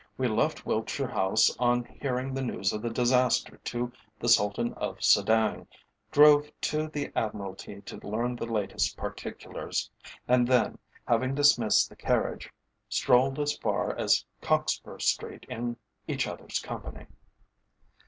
"We left Wiltshire House on hearing the news of the disaster to the Sultan of Sedang, drove to the Admiralty to learn the latest particulars, and then, having dismissed the carriage, strolled as far as Cockspur Street in each other's company."